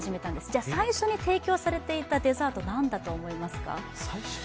じゃあ、最初に提供されていたデザートは何だと思いますか？